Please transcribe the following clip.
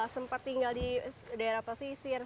sempat tinggal di daerah pesisir